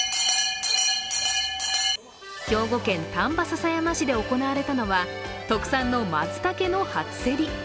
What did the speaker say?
兵庫県丹波篠山市で行われたのは、特産のまつたけの初競り。